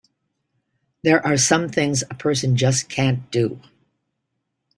There are some things a person just can't do!